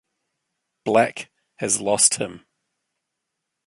Black has lost Him.